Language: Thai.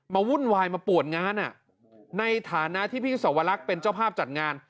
วุ่นวายมาปวดงานในฐานะที่พี่สวรรคเป็นเจ้าภาพจัดงาน